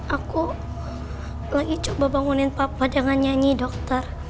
aku lagi coba bangunin papa jangan nyanyi dokter